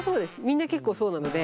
みんな結構そうなので。